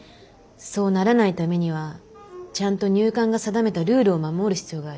そうならないためにはちゃんと入管が定めたルールを守る必要がある。